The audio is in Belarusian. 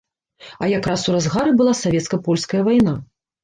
А якраз у разгары была савецка-польская вайна.